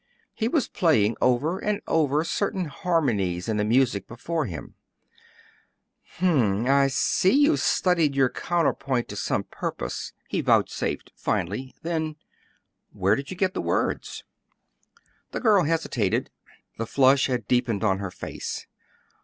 He was playing over and over certain harmonies in the music before him. "Hm m; I see you've studied your counterpoint to some purpose," he vouchsafed, finally; then: "Where did you get the words?" The girl hesitated. The flush had deepened on her face.